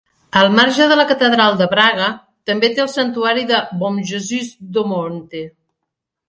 Al marge de la catedral de Braga, també té el santuari de Bom Jesus do Monte.